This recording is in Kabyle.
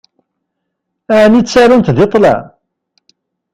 Ɛni ttarunt deg ṭṭlam?